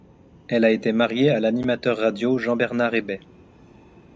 Elle a été mariée à l'animateur radio Jean-Bernard Hebey.